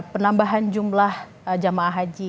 penambahan jumlah jemaah haji